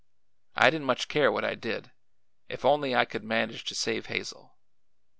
I didn't much care what I did, if only I could manage to save Hazel.